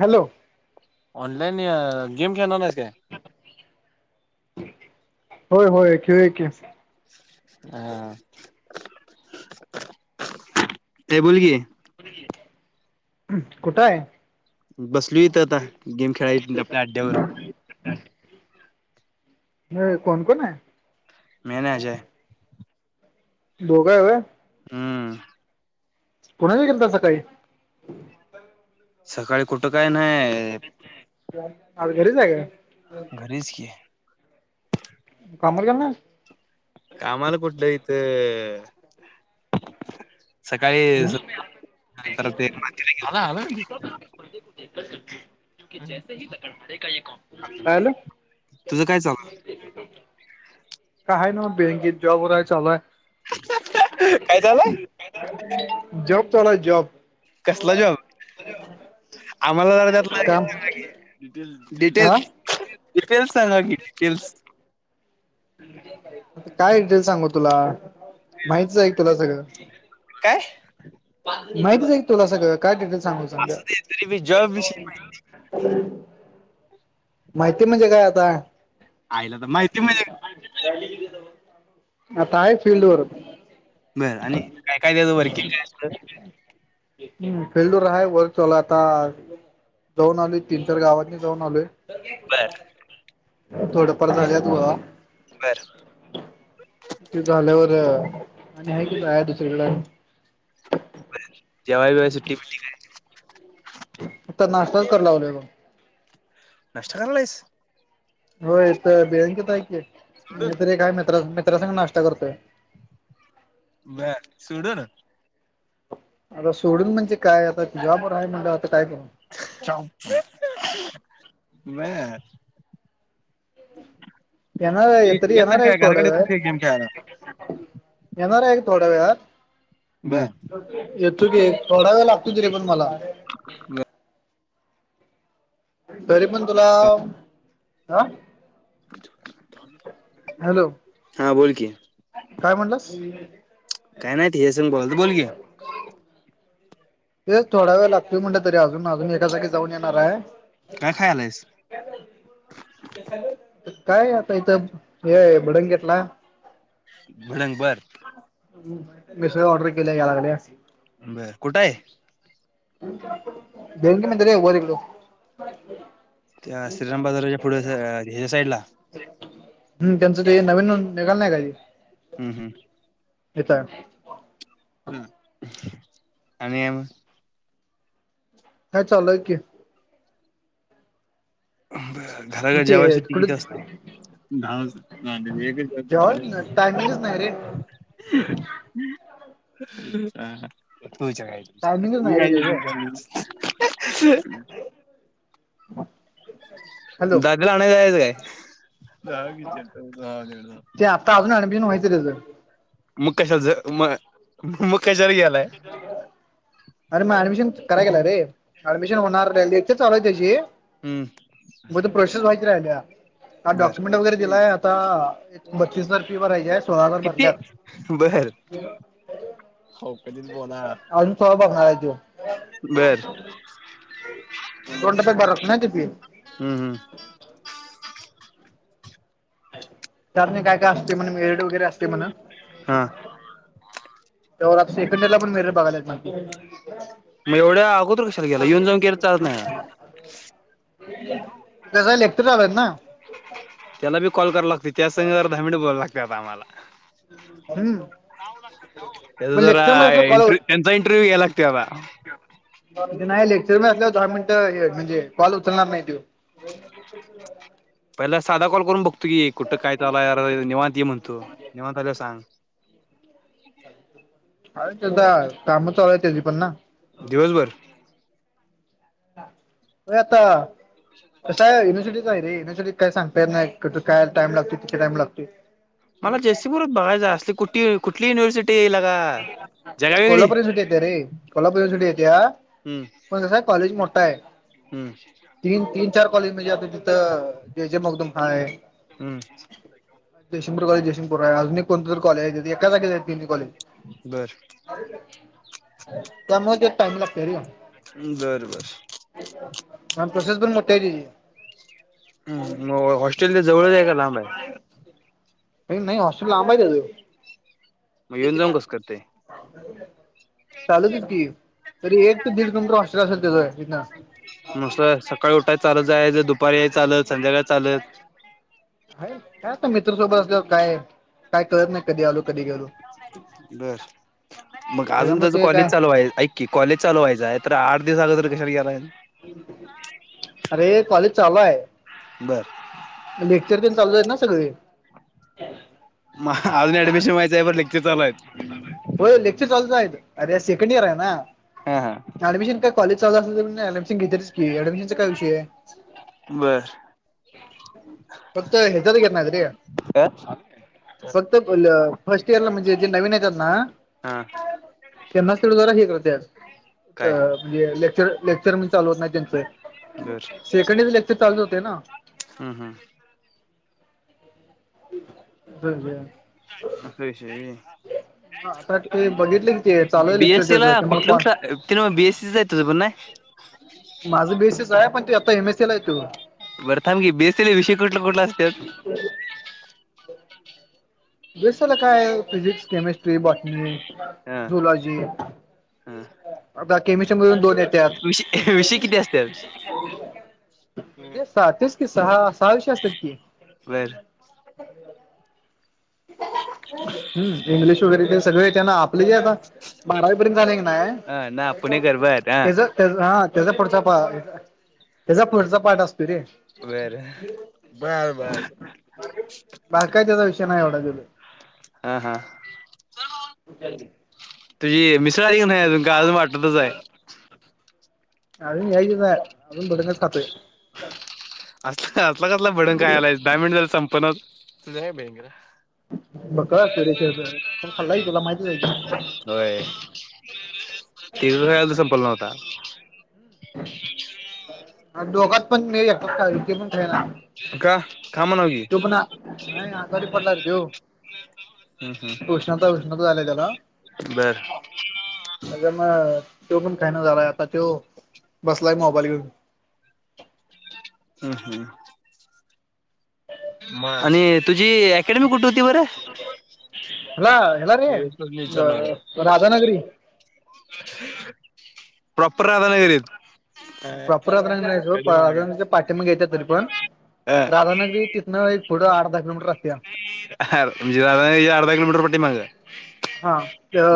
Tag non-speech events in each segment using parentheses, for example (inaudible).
Hello online game खेळणार नाही ते होय होय खेळ के ह ते बोल कि कुठे आहे बसलू इथं आता गेम खेळाय आपल्या अड््यावर कोण कोण आहे मेजय धो कायय हम् कुणा गेल तसं काही सकाळी कुठं काय ना आज घरी जा आहेग घरीच की आहे मु कमल करणार कामाला कुठलं इथं सकाळी स नाहीस नंतर काय तेला आलं (inaudible) क जैसे ह लकड पडे का य काॉम तुझं काय चालू काय ना मग बँकेत जॉब वय चालूय काय चालंय का जॉब तला जॉब कसला जॉब आम्हाला जराजात काम डिटेल् हा डिटेल्स डिटेल्स सांगा की डिटेल्स काय डिटेल सांगू तुला माहितच आहे तुला सगळं काय माहितच आहे तुला सगळं काय िटेल सांगू असं ते तरीी जॉब विषयी ह माहिती म्हणजे काय आता आहिला तर माहिती म्ह आता आहे फीलड वर बरं आणि काय काय त्याचं वर्किंग काय सगं हम्म फिल्डू राहाय वर चला आता जाऊन आले तीन चार गावांनी जाऊन आले बर थोडफार झालं तु बर झाल्यावर आणि हे कि आहे दुसरकड जवायय सु्टी आ नाश्ताच कर लावलय ग नष्ट करलाईस होयथ बिळंकत आहे क सोडून मी तर एक आहे मित्रा मित्रांासंग नाश्ता करतोय म सडू ना आता सोडून म्हणजे काय आता तुझ्याबर आहेय म्हणलं आता काय कर (unintelligible) (unintelligible) (unintelligible) (unintelligible) म येणार्या येत तरी नाही येणार आहे काय क थोडा घराकडे येत वेळ नाही काय गेम खेळायला येणार आहे का थोड्या वेळर ब येतो की थोडा वेळ लागतो ती रे पण मला तरी पण तुला हा हॅलो हा बोलकीि काय म्हटलं काय नाही तेथ हे स बोलत बोल घे तेच थोडा वेळ लागतय म्हणटलं तरी अजून अजून एका जागी जाऊन येणार आहे काय खाय आलायस का काय आता इथं हे बडंगेतला बलांग बर मी स ऑर्डर केल्या या लागडे बरं कुठं आहे बंग म तर बतलो हो त्या श्रीराम बाजाराच्या पुढ ह्याच्या साईड ला हम् त्यांचं का नवीन निघाल नाही काी हम् हम् येतय ह आणि आ काा चाल आहे क मग घराघर ते कुठे जेवायसाठी (unintelligible) असतय जेव्हा टायमिंगच नाही रे (unintelligible) ह टायमिंगच नाही रे त्याचं (unintelligible) (inaudible) (unintelligible) (inaudible) हॅलो दादाला (unintelligible) (inaudible) त अजून (unintelligible) (inaudible) मग कशाच (unintelligible) (inaudible) अरे मग ऍडमिशन कराय गेला रे, डमिशन होणार, (unintelligible) चालू आहे त्याची हम्म मग ते प्रोसेस व्हायची राहिल्या. हा बर डॉक्युमेंट वगैरे दिलाय, आता एक बत्तीसजार फी भरायची आहे, सोळा हजार भरल्यात. बरं. (unintelligible) बर (inaudible) दोन (unintelligible) (inaudible) हम्म हम्म. त्या नंतर काय काय असतय, म्हण मेरिट वगैरे असते म्हण हा. त्या आप सेकंडरला पण मेरिट बघायला. मग एवढ्या अगोदर कशाला गेला, येऊन गेलं चाल नाही कसं हाय लेक्चर्स चालू हायत ना. त्याला बी कॉल कराला लागतय, त्याच संगी दहा मिनट बोलाय लागतय, आता आम्हाला हम्म पण जरा लेक्चर मध्ये असलं इंट कॉल त्यांचा इंटरव्ह्यू घ्याय लागतय आत्ता नाही लेक्चर (unintelligible) मिनट म्हणजे कॉल उचलणार नाही दे हो. पहिला साधा कॉल करून बघतो की, कुठं काय आला निवांत ये म्हणतू, निवांत आल्याला सांग (unintelligible) (inaudible) अर त्याचा, काम चालू आहे ततेजी पण ना दिवसभर हो आता, युनिव्हर्सिटीच कस हाय युनिव्हर्सिटी (unintelligible) सांगता येत नाही, कस काय टाइम लागतो, किती टाईम लागतो? मला (unintelligible) बघायचं अस कुठ कुठली युिव्हर्सिटी य (unintelligible) कोल्हापूर सुटी येते रे, कोल्हापूर सुटी येत्या हम्म पण कासाय आहे, कॉलेज मोठा आहे. हम्म. तीन तीन चार कॉलेज म्हणजे आता, तिथं जे जे मगदुम हा आहे. हम्म. (unintelligible) आहे अजून कोण तरी कॉलेज आहे, एका जाग्या आहेत (unintelligible) कॉलेज बर. त्यामुळे ते टाइम लागतो रे. बर बर. त्यामुळं प्रसेस पण मोठा आहे ते ह मग हॉस्टेलला जवळच आहे का लांबाय? नाही नाही हॉस्टेल लांब हाय तेज. (unintelligible) (inaudible) मग येऊन जाऊन कसं करतय? चालूतच हायत की, तरी एक ते दीड किलोमीटर हॉस्टेल असेल त्याच तिथं. मस्त सकाळी उठाय चालत जायचं, आहे ज दुपारी चालत संध्याकाळी चालत काय आता मित्रसोबत असल काय काय कळत नाही कधी आलो कधी गेलो बर मग अजून त्याच्यामुळे त्याच ते कॉलेज काय चालू आहे ऐ कि कॉलेज चाल व्हायचय तर आठ दिवस अगर कशाला गलाय अरे कॉलेज चालू आहे बर. लेक्चर पण चालू आहेत ना सगळे. म अजून ऍडमिशन व्हायचं आहे प लेक्चर चालूय. हो लेक्चर चालूच आहे अरे सेकंड इयर आहे ना. हा हा ऍडमिशन का कॉलेज चाल असल तर ऍडमिशन घेतेच क ऍडमिशनचाय विषय बर. फक्त हेजारी घेत नाहीयत रे फक्त फर्स्ट इयरला म्हणजे जे नवीन येतात ना. हा त्यांनाच तेवढ जरा हे करत्यात काय म्हणजे लेक्चर लेक्चर म्हण चालू होत नाही त्यांचं सेकंड इयर लेक्चर चालूच होते ना. हम्! हम्म! (inaudible) असा विषय आहे व्हय. आता ते बघितले कि ते चालू आहे बी लेक्चर एस सीला त्याचं ते मला कुठल कॉल कुठल ते नव्ह बी ए सीच आहे तुझं नाय. माझं बी एस सीच आहे पण तो आता एम एस सीला आहे तो बरं थांब की बी एस सीला विषय कुठलं कुठला असतात? बी एस सीला काय फिजिक्स, केमिस्ट्री, बॉटनी, हा झुलॉजी हा आता केमिस्ट्री मधून दोन (unintelligible) विषय (inaudible) विषय किती असत्यात म्हणजे स तेच कि सहा सहा विषय असतात की. बरं (inaudible) हम्म! इंग्लिश वगैरे ते सगळे त्यांना आपले जे आता बारावीईपर्यंत झाले की ना. (inaudible) त्या हा त्याचा पुढचा पा त्याचा पुढचा पाठ असतो रे. बरं बरं बरं बाकी त्याचा विषय नाही एवढा (unintelligible) हा हा. तुझी मिसळ आली का नाही अजून, का वाटतच आहे? अजून यायचीच आहे, अजून भडंगच खातोय. अस असला कसला भडंग खायालायस दहा मिनिट झालं संपणा तुझ बक्कळ असतोय रे (inaudible) आपण खाल्लाय तुला माहतीच आहे की. होय, ते संपल नव्हता. (inaudible) दोघत पण (inaudible) (inaudible) तो पण नाही आजरी पडला रे तो उष्णता उष्णता झाल्या त्याला. बरं. अ म तो पण खायन झालाय आता तो बसलाय मोबाईल घेऊन. ह हा. (inaudible) आणि तुझी अकॅडमी कुठे होती बरं. हेला हेला रे राधानगरी. प्रॉपर राधनागिरीेत. प्रॉपर राधानगरीत नव्ह (inaudible) अ राधानगरी तिथं एक पुढं आठ दहा किलोमीटर राह म्हणजे राधानगरीच्या अर्धा किलोमीटर पाठीमाग. हा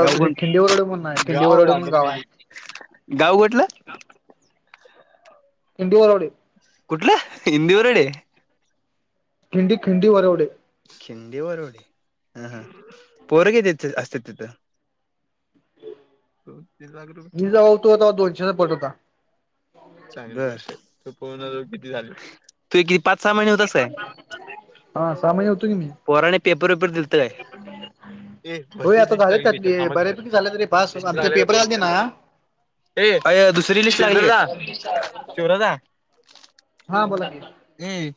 गाव कोण खिंडी वरवडे म्हणून आहे खिंडी गाव वरवडे म्हणून गाव आहे राधानगरी. गाव कुठलं? (inaudible) कुठलं हिंदीवरडे. खिंडी खिंडी वरवढडे. खिंडी वरवडे हा हा. पोर किती असत्यात तिथं? (inaudible) मी जवा होतो तवा दोनशेचा पट होता. चांगलं तू पोन जो किती झाले तूती पाच सहा महिने होत काय हा सहा महिने होतो की मी पोराने पेपर वेपर दिलत काय ते होय भरतीच आता लिस्ट झाले लागलीच त्यातले कामा बऱ्यापैकी झाले तरी पास लिस्ट आमचे लागल्या का पेपर दोन आलते इच ना हे दुसरी लिस्ट लागली का शिवराजा हा बोला की ए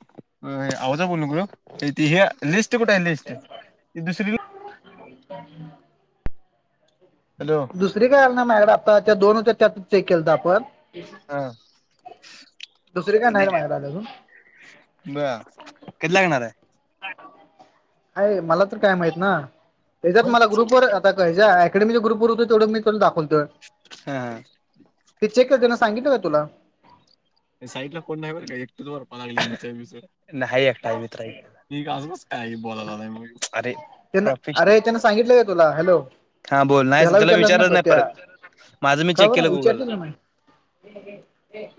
आहजा बोलल ग त लिस्ट कुठे आहे लिस्ट ती दुसरी ह हॅलो दुसरी काय ह ना मागड आता दोनच्या केल तर आपण हा दुसरी काय नाही पुणे रे माझ्याकडे आली अजून बर कधी लागणार आहे काय मला तर काय माहित ना त्याच्यात होय. मला ग्रुप वर का अकेडमीच्या ग्रुपरतो तेवढ मीला दावतो हा हा ते चेक करतेना सांगितलं का तुला साईट ला कोणर काय द प नाही एकटा आहे मित्र के का बोला अरे त्यान प्रोफेशनल अरे त्यांन सांगितलं का तुला हॅलो हा बोल ह्याला नाहीच त्याला विचारलंच विचारच ना नाही परत त्या माझं मी का चेक केलं बरं गुगल ला विचारतील ना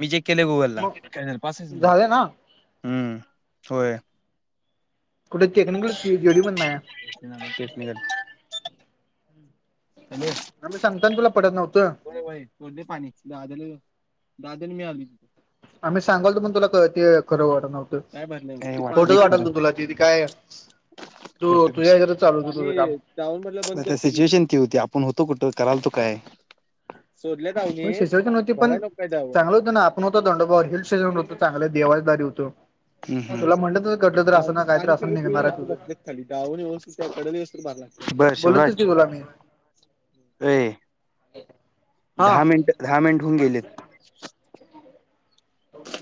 मी चेक केले गुगल ला मग कॅल पाच न झालं ना हम्म होय कुठे टेक्निकल जोडी बण शल ह आम्ही सांगताना तुला पटत नव्हतं हो बाई तोडले पाणी दहादल दादा मि आली तिथे आम्ही सांगयलो पण तुला ते खरं वाट नवतो काय भरलंय काय ते पाणी खोटच वाटलंय चालू खरं. वाटाल त तुला तिथे झालंय. काय तू खोटं विष तुझ्याच्यात चाल हो तझं काम पाणी सिच्युएशन ती होती आपण होतो कुठ कराल तो काय स सिचवेशन न होती पण चांगलं होतं ना आपण होत दंडोबावर हिल स्टेशनवर होतो चांगलं देवासदारी होतो ह तुला म्हटलं तर घडलं तर गा असं ना काय तर पाणी असं सगळे पिऊन निघणार आहे मस तुझं बसलेत खाली गाून येऊ डस बर बोलतच की शिवराज तुला मी अ हा दहा मिनिट दहा मिनिट होऊन गेलेत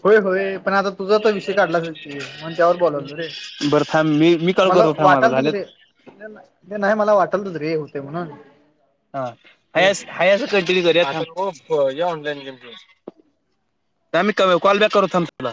होय होय पण आता तुझा तर विषय काढलाच की मण त्यावर बोलावलं रे बरं थांब मी मी काल करतो थांबला झालेत नाही नाही मला वाटल तु रे होते म्हणून हाा अस कंटिन्यू करया हो ऑनलाईन गेम आमही कॉल बॅक करत तुला